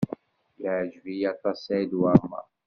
Yeɛjeb-iyi aṭas Saɛid Waɛmaṛ.